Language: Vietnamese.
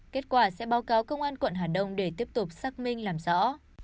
kết quả sẽ báo cáo công an quận hà đông để tiếp tục xác minh làm rõ